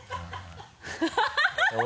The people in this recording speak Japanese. ハハハ